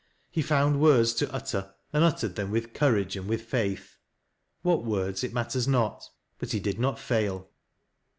He found words to utter, and uttered them with courage and with faith. What words it matters not, — but he did not fail.